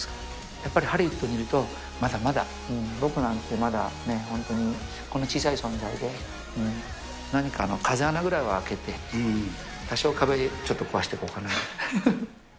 やっぱり、ハリウッドにいると、まだまだ僕なんてまだ本当にこんな小さい存在で、何かの風穴ぐらいは開けて、多少壁ちょっと壊していこうかなと。